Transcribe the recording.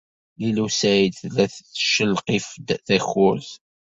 Lila u Saɛid tella tettcelqif-d takurt.